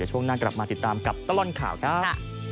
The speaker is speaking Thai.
ช่วงหน้ากลับมาติดตามกับตลอดข่าวครับ